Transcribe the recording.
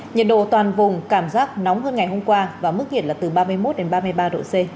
nhiệt độ toàn vùng cảm giác nóng hơn ngày hôm qua và mức nhiệt là từ ba mươi một đến ba mươi ba độ c